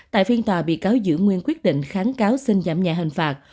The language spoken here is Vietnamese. tại phiên tòa bị cáo giữ nguyên quyết định kháng cáo xin giảm nhẹ hình phạt